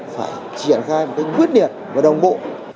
phải triển khai một cách quyết liệt và đồng bộ